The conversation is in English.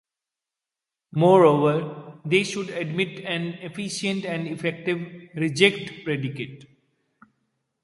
Moreover, they should admit an efficient and effective "reject" predicate.